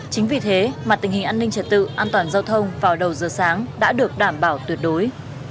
chính vì thế mà tình hình an ninh trật tự an toàn giao thông vào đầu giờ sáng đã được đảm bảo tuyệt đối